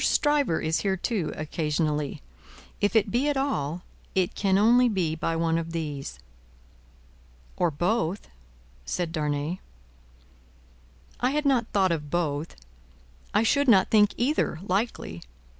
Stryver is here too, occasionally. If it be at all, it can only be by one of these." "Or both," said Darnay. "I had not thought of both; I should not think either, likely.